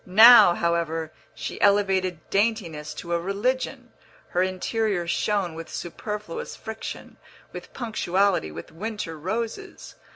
Now, however, she elevated daintiness to a religion; her interior shone with superfluous friction, with punctuality, with winter roses.